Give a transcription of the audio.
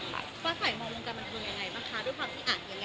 ฟ้าใสมองวงการบันเทิงยังไงบ้างคะด้วยความที่อ่านยังไง